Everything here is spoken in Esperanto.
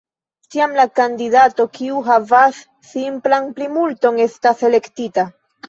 Tiam, la kandidato kiu havas simplan plimulton estas elektita.